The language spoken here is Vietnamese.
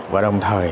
và đồng thời